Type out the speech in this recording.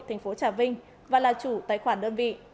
thành phố trà vinh và là chủ tài khoản đơn vị